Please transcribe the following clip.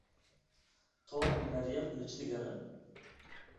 Tom û Meryem li çi digerin?